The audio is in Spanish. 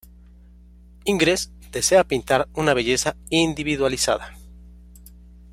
Ingres desea pintar una belleza individualizada.